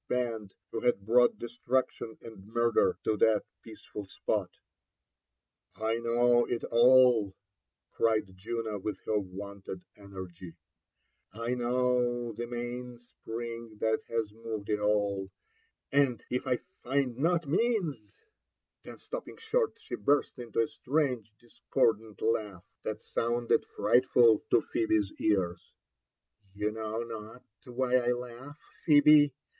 band who had brought destruction and murder to that peaqef ul spot. JONATHAN JEFFERSON WHITLAW. 347 I know it all I " criedluno, wilh her wonted energy,—^* I know the mafospriDg that has moyed it all; and if I find not meaQs/' —^ Then stopping short, she burst into a strange discordant laugh that sounded frightfullyt o Phebe's ears. You know not why I laugh, Phebe?